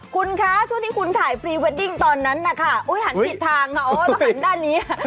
คุณคะช่วงที่คุณถ่ายพรีเวดดิ้งตอนนั้นนะคะหันผิดทางค่ะโอ้ต้องหันด้านนี้